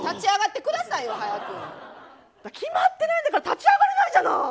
決まってないんだから立ち上がれないじゃない。